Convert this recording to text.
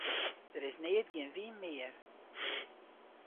Der is neat gjin wyn mear.